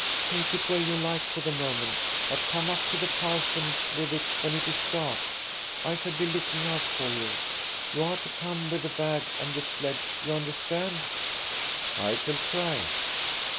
"Take it where you like for the moment, but come up to the parsonage with it when it is dark. I shall be looking out for you. You are to come with the bag and the sledge, you understand." " I shall try."